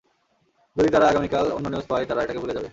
যদি তারা আগামীকাল অন্য নিউজ পায়, তারা এটাকে ভুলে যাবে।